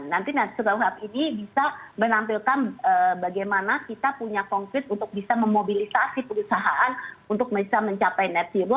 nanti net zero what ini bisa menampilkan bagaimana kita punya konkret untuk bisa memobilisasi perusahaan untuk bisa mencapai net zero